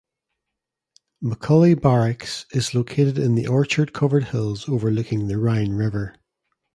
McCully Barracks is located in the orchard-covered hills overlooking the Rhine River.